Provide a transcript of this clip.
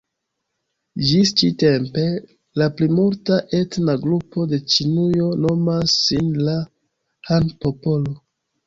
Ĝis ĉi-tempe, la plimulta etna grupo de Ĉinujo nomas sin la "Han-popolo".